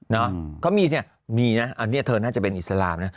เขามีเนี่ยมีนะอันนี้เธอน่าจะเป็นอิสลามนะ